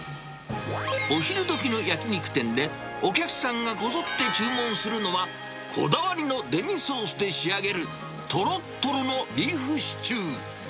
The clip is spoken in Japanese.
お昼どきの焼き肉店で、お客さんがこぞって注文するのは、こだわりのデミソースで仕上げるとろっとろのビーフシチュー。